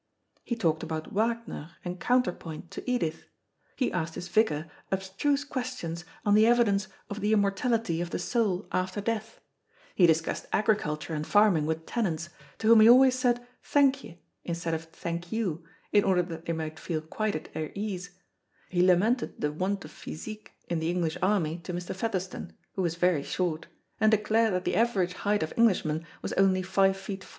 He talked about Wagner and counterpoint to Edith. He asked his vicar abstruse questions on the evidence of the immortality of the soul after death; he discussed agriculture and farming with tenants, to whom he always said "thank ye," instead of "thank you," in order that they might feel quite at their ease; he lamented the want of physique in the English army to Mr. Featherstone, who was very short, and declared that the average height of Englishmen was only five feet four.